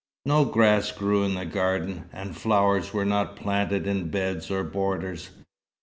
No grass grew in the garden, and the flowers were not planted in beds or borders.